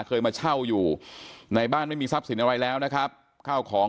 เคยมาเช่าอยู่ในบ้านไม่มีทรัพย์สินอะไรแล้วนะครับข้าวของ